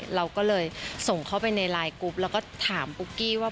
เราก็เลยส่งเข้าไปในไลน์กรุ๊ปแล้วก็ถามปุ๊กกี้ว่า